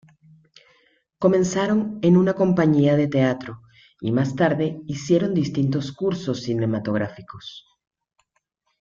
Comenzaron en una compañía de teatro y más tarde hicieron distintos cursos cinematográficos.